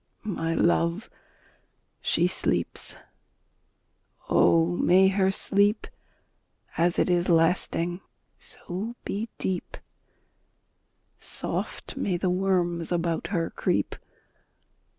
My love, she sleeps! Oh, may her sleep, As it is lasting, so be deep; Soft may the worms about her creep!